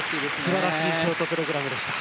素晴らしいショートプログラムでした。